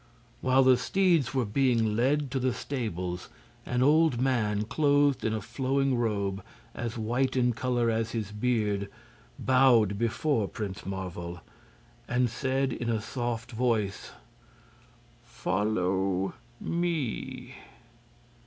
While the steeds were being led to the stables an old man, clothed in a flowing robe as white in color as his beard, bowed before Prince Marvel and said in a soft voice: "Follow me!"